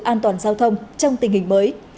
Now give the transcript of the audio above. an toàn giao thông trong tình hình mới